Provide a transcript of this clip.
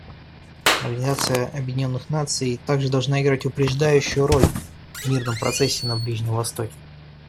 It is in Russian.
Организация Объединенных Наций также должна играть упреждающую роль в мирном процессе на Ближнем Востоке.